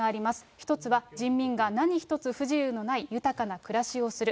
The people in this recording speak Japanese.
一つは人民が何一つ不自由のない豊かな暮らしをする。